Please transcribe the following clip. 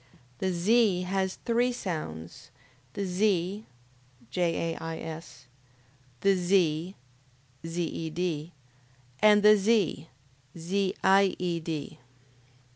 The Z has three sounds: the Z, (JAIS,) the Z, (ZED,) and the Z, (ZIED).